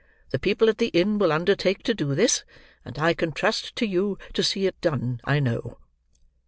The people at the inn will undertake to do this: and I can trust to you to see it done, I know."